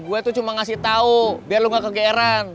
gue tuh cuma ngasih tau biar lu gak kegeeran